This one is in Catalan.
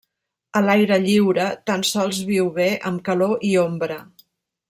A l'aire lliure tan sols viu bé amb calor i ombra.